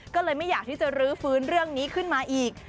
ก็เลยไม่อยากที่จะรื้อฟื้นเรื่องนี้ขึ้นมาอีก